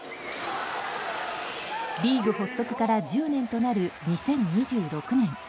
リーグ発足から１０年となる２０２６年